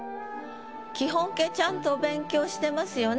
基本形ちゃんとお勉強してますよね。